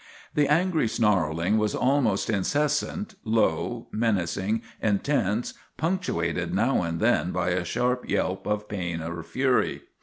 The angry snarling was almost incessant, low, menacing, intense, punctuated now and then by a sharp yelp of pain or fury.